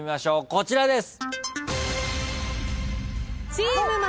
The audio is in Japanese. こちらです！